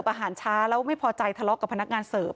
อาหารช้าแล้วไม่พอใจทะเลาะกับพนักงานเสิร์ฟ